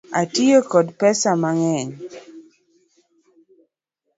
Atiyo kod pesa mang'eny .